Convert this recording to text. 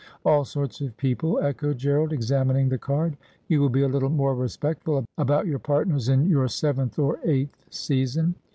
' All sorts of people,' echoed Gerald, examining the card. ' You will be a little more respectful about your partners in your seventh or eighth season.